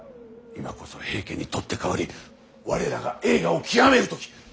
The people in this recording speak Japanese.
今こそ平家に取って代わり我らが栄華を極める時。